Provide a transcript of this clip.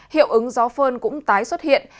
hiệu ứng gió phơn cũng tái xuất hiện